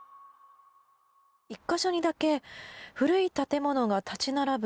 １か所にだけ古い建物が立ち並ぶ